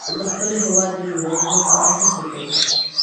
د خپل هیواد جوړونې لپاره هڅې کوي.